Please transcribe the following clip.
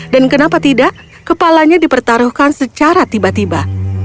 dan kenapa tidak kepalanya dipertaruhkan secara tiba tiba